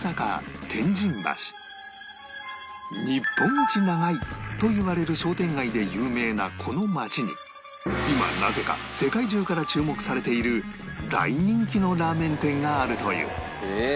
日本一長いといわれる商店街で有名なこの町に今なぜか世界中から注目されている大人気のラーメン店があるという